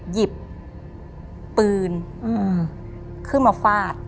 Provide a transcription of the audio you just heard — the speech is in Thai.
หยิบปืนขึ้นมาฟาด